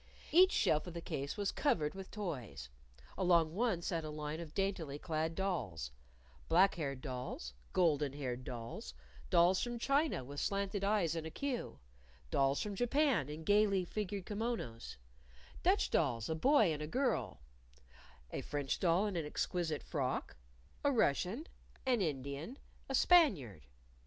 Each shelf of the case was covered with toys. Along one sat a line of daintily clad dolls black haired dolls; golden haired dolls; dolls from China, with slanted eyes and a queue; dolls from Japan, in gayly figured kimonos; Dutch dolls a boy and a girl; a French doll in an exquisite frock; a Russian; an Indian; a Spaniard.